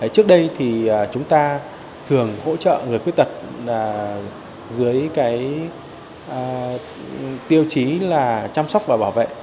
trước đây thì chúng ta thường hỗ trợ người khuyết tật dưới cái tiêu chí là chăm sóc và bảo vệ